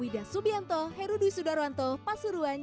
wida subianto herudwi sudarwanto pasuruan